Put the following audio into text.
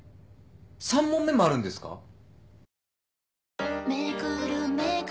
３問目もあるんですか！？